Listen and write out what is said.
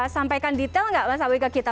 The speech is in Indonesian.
sampaikan detail nggak mas awi ke kita